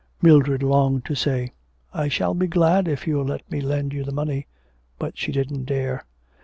Mildred longed to say, 'I shall be glad if you'll let me lend you the money,' but she didn't dare.